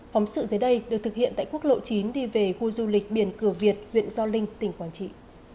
phóng sự dưới đây được thực hiện tại quốc lộ chín đi về khu du lịch biển cửa việt huyện gio linh tỉnh quảng trị